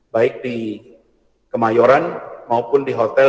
baik di kemayoran maupun di hotel